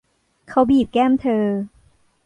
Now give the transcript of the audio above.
เขาบีบแก้มเธอ